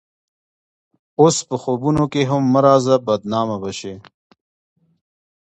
اوس په خوبونو کښې هم مه راځه بدنامه به شې